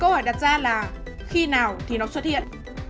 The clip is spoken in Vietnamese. câu hỏi đặt ra là khi nào thì nó xuất hiện